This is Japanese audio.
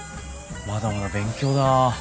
まだまだ勉強だ。